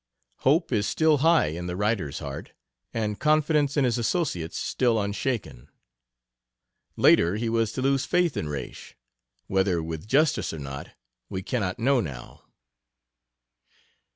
Hope is still high in the writer's heart, and confidence in his associates still unshaken. Later he was to lose faith in "Raish," whether with justice or not we cannot know now.